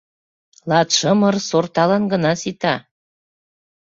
Латшымыр сорталан гына сита.